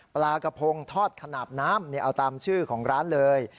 ปลากระพงทอดขนาดน้ำเอาตามชื่อของร้านเลย